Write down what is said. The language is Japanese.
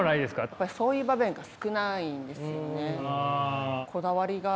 やっぱりそういう場面が少ないんですよね。